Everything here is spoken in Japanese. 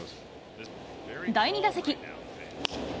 第２打席。